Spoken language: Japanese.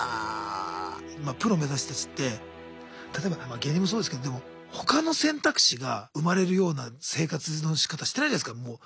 プロを目指す人たちって例えば芸人もそうですけどでも他の選択肢が生まれるような生活のしかたしてないじゃないですかもう。